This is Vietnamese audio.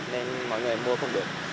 nên mọi người mua